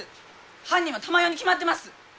犯人は珠世に決まってます！